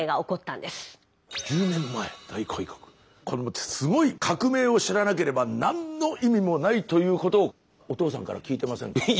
このすごい革命を知らなければ何の意味もないということをお父さんから聞いてませんか？